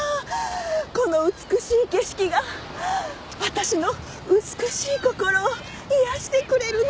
この美しい景色が私の美しい心を癒やしてくれるの。